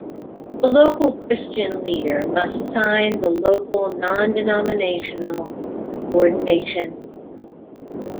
A local Christian Leader must sign the local non-denominational ordination.